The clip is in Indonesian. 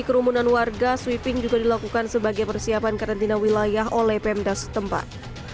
kerumunan warga sweeping juga dilakukan sebagai persiapan karantina wilayah oleh pemda setempat